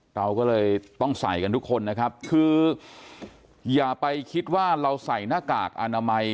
เราก็เลยต้องใส่กันทุกคนนะครับคืออย่าไปคิดว่าเราใส่หน้ากากอนามัย